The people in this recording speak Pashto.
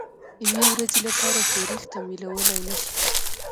یوې ورځې لپاره ښورښ تمویلولای نه شي.